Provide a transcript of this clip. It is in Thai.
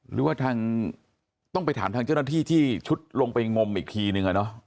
หรือว่าทางต้องไปถามทางเจ้าหน้าที่ที่ชุดลงไปงมอีกทีนึง